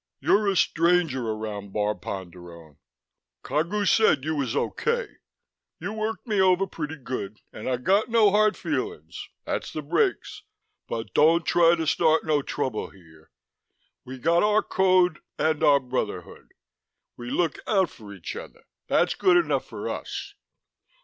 "You're a stranger around Bar Ponderone. Cagu said you was okay. You worked me over pretty good ... and I got no hard feelin's; that's the breaks. But don't try to start no trouble here. We got our Code and our Brotherhood. We look out for each other; that's good enough for us.